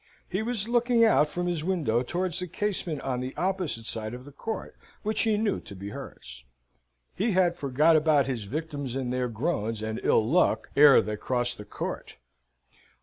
He was looking out from his window towards the casement on the opposite side of the court, which he knew to be hers. He had forgot about his victims and their groans, and ill luck, ere they crossed the court.